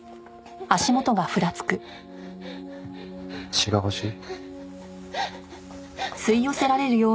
血が欲しい？